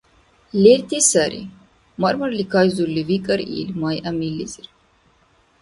— Лерти сари, — мар-марли кайзурли викӏар ил, — Майамилизир.